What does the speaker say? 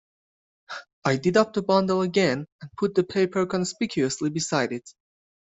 I did up the bundle again, and put the paper conspicuously beside it.